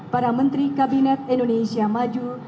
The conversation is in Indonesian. para menteri kabinet indonesia maju